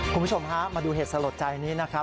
คุณผู้ชมฮะมาดูเหตุสลดใจนี้นะครับ